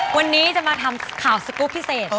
วันนี้จะมาทำข่าวสกรูปพิเศษ